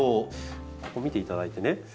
ここ見ていただいてね